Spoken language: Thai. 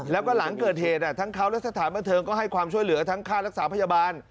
แล้วก็หลังเกิดเหตุทั้งเขาและสถานบันเทิงก็ให้ความช่วยเหลือทั้งค่ารักษาพยาบาล